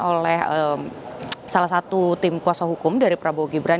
oleh salah satu tim kuasa hukum dari prabowo gibran